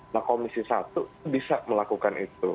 nah komisi satu bisa melakukan itu